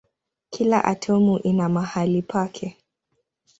Kila atomu ina mahali pake.